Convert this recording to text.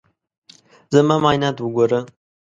زما معاینات وګوره.